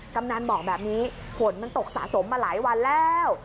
กำนันบอกแบบนี้ฝนมันตกสะสมมาหลายวันแล้ว